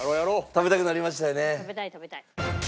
食べたい食べたい。